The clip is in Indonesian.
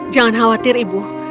jangan khawatir ibu